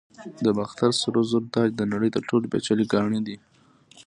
د باختر سرو زرو تاج د نړۍ تر ټولو پیچلي ګاڼې دي